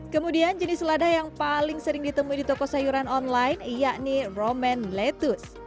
kemudian jenis lada yang paling sering ditemui di toko sayuran online yakni roman lettuce